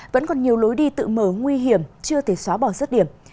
vẫn còn nhiều lối đi tự mở nguy hiểm chưa thể xóa bỏ rất điểm